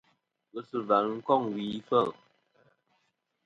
Ghesɨ̀và nɨn kôŋ wì ifêl.